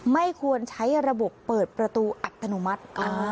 ไม่ควรใช้ระบบเปิดประตูอัตโนมัติ